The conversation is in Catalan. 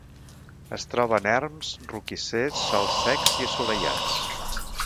Es troba en erms, roquissers, sòls secs i assolellats.